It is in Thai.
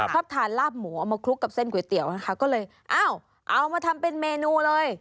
ชอบทานลาบหมูเอามาคลุกกับเส้นก๋วยเตี๋ยวนะคะก็เลยอ้าวเอามาทำเป็นเมนูเลย